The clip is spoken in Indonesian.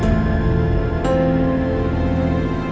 laki laki itu masih hidup